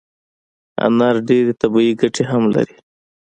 انار ډیري طبي ګټي هم لري